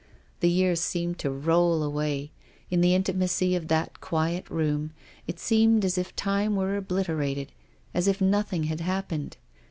The years seemed to roll away. In the intimacy of that quiet room it seemed as if time were obliterated ; as if nothing had happened.